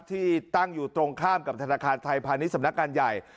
ที่ตั้งอยู่ตรงข้ามกับธนาคารไทยพาณิชสำนักงานใหญ่